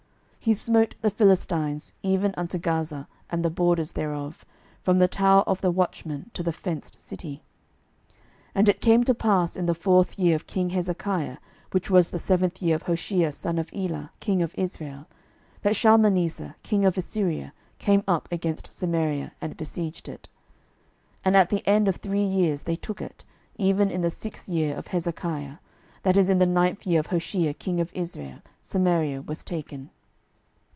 12:018:008 He smote the Philistines, even unto Gaza, and the borders thereof, from the tower of the watchmen to the fenced city. 12:018:009 And it came to pass in the fourth year of king Hezekiah, which was the seventh year of Hoshea son of Elah king of Israel, that Shalmaneser king of Assyria came up against Samaria, and besieged it. 12:018:010 And at the end of three years they took it: even in the sixth year of Hezekiah, that is in the ninth year of Hoshea king of Israel, Samaria was taken.